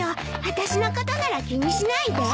私のことなら気にしないで。